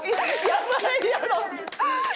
やばいやろ！